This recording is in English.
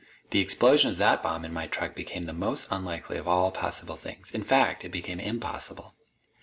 The explosion of that bomb in my truck became the most unlikely of all possible things. In fact, it became impossible.